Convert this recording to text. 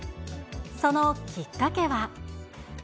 そのきっかけは。